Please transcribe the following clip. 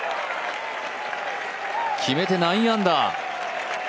決めて９アンダー！